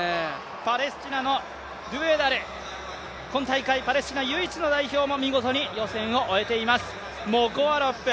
パレスチナのドウェダル、今大会、パレスチナ唯一の代表も見事に予選を終えています。